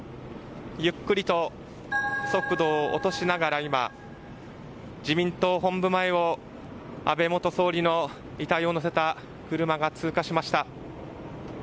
ゆっくりと、速度を落としながら今、自民党本部前を安倍元総理の遺体を乗せた車が通過しました。